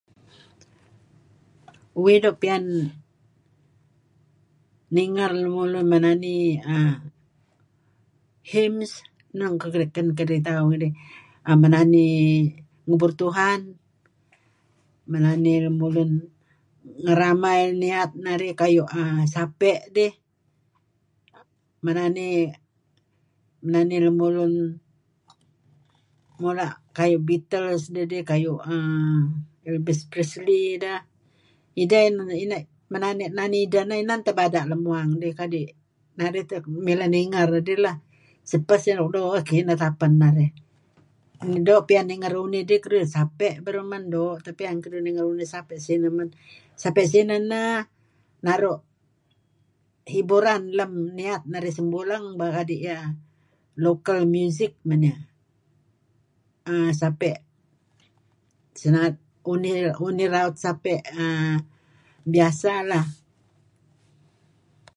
Uih doo' piyan ninger lemulun menani err hymns enun kan keditauh ngidih? {Erm] menani ngubur Tuhan mey menani lemulun ngeramai niyat narih kayu' sape' dih menani menani lemulun mula' kayu Bettles dedih kayu' err Elvis Presley dah idah menani ideh neh inan tebada' lem uwang dih kadi' narih teh mileh ninger dih lah sipeh suk doo' dih kineh teh apen narih. Doo' piyan ninger unih dih keduih, Sape' beruh men doo' piyan kuh ninger idih. Sape' sinah neh naru' hiburan lem niyat narih sebuleng kadi' iyeh local music men iyeh. Sape' unih raut sape' biasa lah.